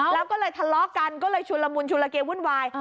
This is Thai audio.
แล้วก็เลยทะเลาะกันก็เลยชุนละมุนชุลเกวุ่นวาย